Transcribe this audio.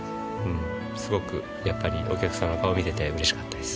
すごくお客さんの顔見てて嬉しかったです。